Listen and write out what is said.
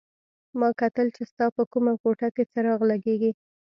ما کتل چې ستا په کومه کوټه کې څراغ لګېږي.